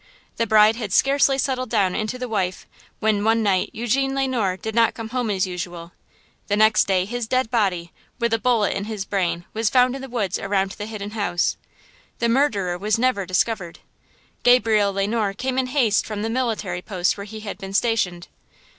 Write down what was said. The bride had scarcely settled down into the wife when one night Eugene Le Noir did not come home as usual. The next day his dead body, with a bullet in his brain, was found in the woods around the Hidden House. The murderer was never discovered. Gabriel Le Noir came in haste from the military post where he had been stationed.